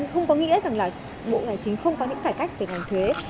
không có nghĩa rằng là bộ tài chính không có những cải cách về ngành thuế